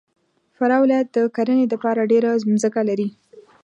فراه ولایت د کرهنې دپاره ډېره مځکه لري.